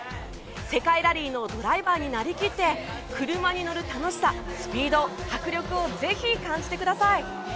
世界ラリーのドライバーになり切って車に乗る楽しさスピード、迫力をぜひ感じてください。